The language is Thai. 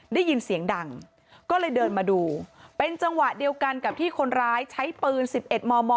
ได้ยินเสียงดังก็เลยเดินมาดูเป็นจังหวะเดียวกันกับที่คนร้ายใช้ปืน๑๑มม